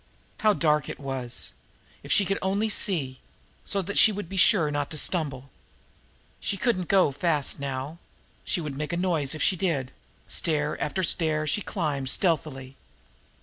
How dark it was! If she could only see so that she would be sure not to stumble! She couldn't go fast now she would make a noise if she did. Stair after stair she climbed stealthily.